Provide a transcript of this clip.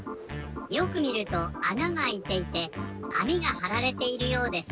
よくみるとあながあいていてあみがはられているようです。